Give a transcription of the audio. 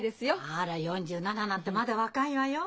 あら４７なんてまだ若いわよ。